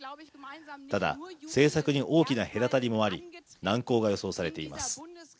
ただ政策に大きな隔たりもあり難航が予想されています